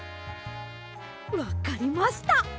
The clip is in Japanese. わかりました！